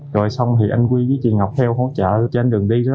rồi xong thì anh huy với chị ngọc theo hỗ trợ trên đường đi